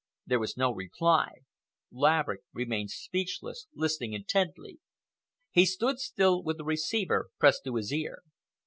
There was no reply. Laverick remained speechless, listening intently. He stood still with the receiver pressed to his ear.